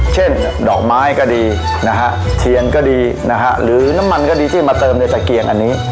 เช่นดอกไม้ก็ดีนะฮะเทียนก็ดีนะฮะหรือน้ำมันก็ดีที่มาเติมในตะเกียงอันนี้